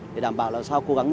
để đảm bảo là sau cố gắng